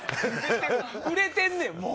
売れてんねん、もう。